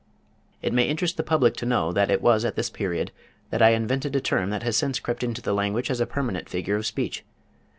It may interest the public to know that it was at this period that I invented a term that has since crept into the language as a permanent figure of speech.